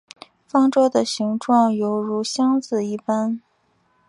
方舟的形状有如箱子一般。